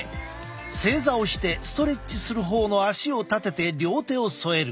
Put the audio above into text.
正座をしてストレッチする方の足を立てて両手を添える。